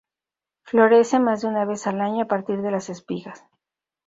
Florece más de una vez al año a partir de las espigas.